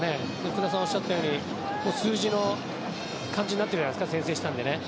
福田さんがおっしゃったように数字の感じになってるんじゃないんですか先制したのでね。